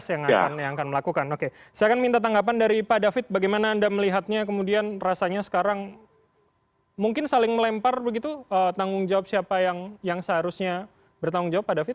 saya akan minta tanggapan dari pak david bagaimana anda melihatnya kemudian rasanya sekarang mungkin saling melempar begitu tanggung jawab siapa yang seharusnya bertanggung jawab pak david